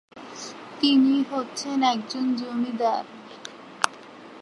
তিনি হচ্ছেন একজন জমিদার।